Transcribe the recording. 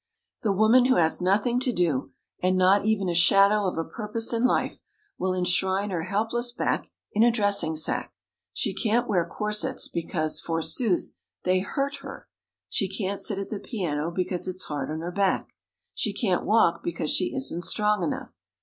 The woman who has nothing to do, and not even a shadow of a purpose in life, will enshrine her helpless back in a dressing sack. She can't wear corsets, because, forsooth, they "hurt" her. She can't sit at the piano, because it's hard on her back. She can't walk, because she "isn't strong enough."